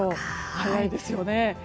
早いですよね。